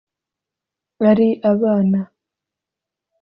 ari abana